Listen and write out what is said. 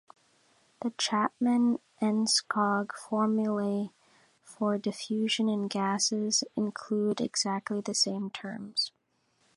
The Chapman-Enskog formulae for diffusion in gases include exactly the same terms.